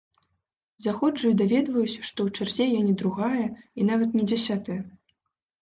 Заходжу і даведваюся, што ў чарзе я не другая, і нават не дзясятая.